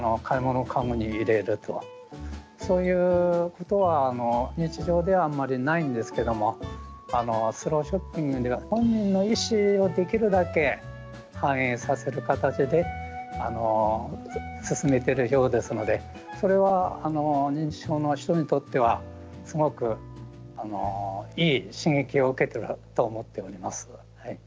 そういうことは日常ではあんまりないんですけどもスローショッピングでは本人の意思をできるだけ反映させる形で進めてるようですのでそれは認知症の人にとってはすごくいい刺激を受けてると思っております。